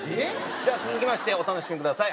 「では続きましてお楽しみください。